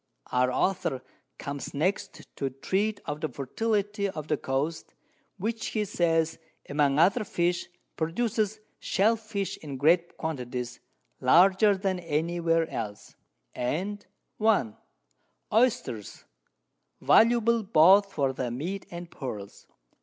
Our Author comes next to treat of the Fertility of the Coast, which, he says, among other Fish produces Shell Fish in greater Quantities, larger than any where else, and 1. Oisters, valuable both for their Meat and Pearls.